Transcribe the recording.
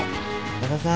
和田さん。